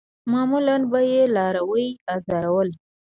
معمولاً به یې لاروي آزارول.